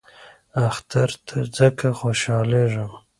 اختر ته ځکه خوشحالیږم .